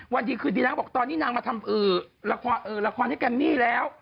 วันดีคืนดีนางก็บอกตอนนี้นางมาทำละครให้แกมมี่แล้ว